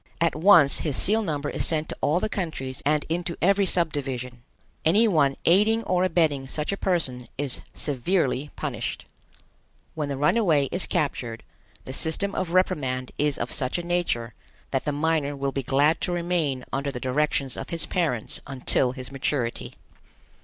At once his seal number is sent to all the countries and into every sub division. Any one aiding or abetting such a person is severely punished. When the runaway is captured, the system of reprimand is of such a nature that the minor will be glad to remain under the directions of his parents until his maturity.